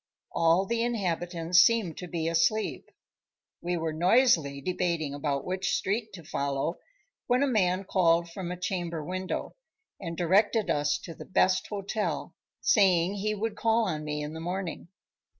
All the inhabitants seemed to be asleep. We were noisily debating about which street to follow, when a man called from a chamber window, and directed us to the best hotel, saying he would call on me in the morning.